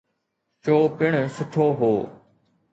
Show پڻ سٺو هو.